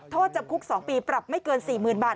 โทษจำคุก๒ปีปรับไม่เกิน๔๐๐๐บาท